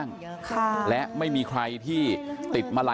ก่อนที่จะก่อเหตุนี้นะฮะไปดูนะฮะไปดูนะฮะ